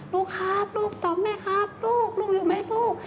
ลูกครับลูกตอบไหมครับลูกลูกอยู่ไหมลูก